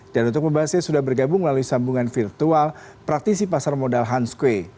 dan untuk membahasnya sudah bergabung melalui sambungan virtual praktisi pasar modal hans kueh